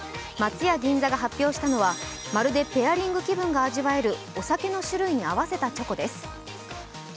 松屋銀座が発表したのは、まるでペアリング気分が味わえるお酒の種類に合わせたチョコです。